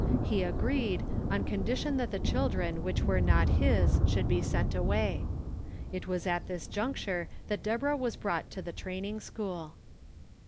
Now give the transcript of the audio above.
He agreed, on condition that the children which were not his should be sent away. It was at this juncture that Deborah was brought to the Training School.